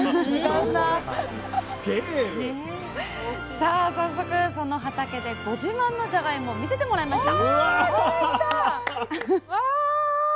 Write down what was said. さあ早速その畑でご自慢のじゃがいもを見せてもらいました！